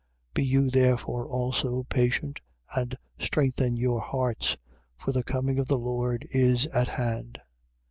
5:8. Be you therefore also patient and strengthen your hearts: for the coming of the Lord is at hand.